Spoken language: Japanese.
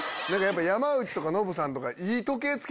山内とかノブさんとか。